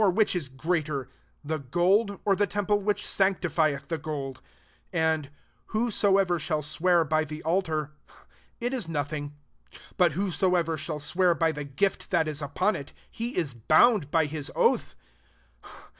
which is greater ; the gold, the temple which sanctifiel the gold ? 18 And, « Whos ever shall swear by the altJ it is nothing : but whosoev shall swear by the gift that upon it, he is bound by oath.'